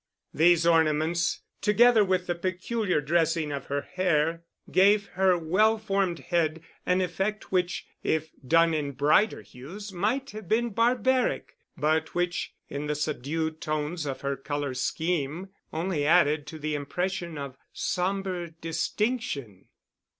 These ornaments, together with the peculiar dressing of her hair, gave her well formed head an effect which, if done in brighter hues, might have been barbaric, but which, in the subdued tones of her color scheme, only added to the impression of sombre distinction.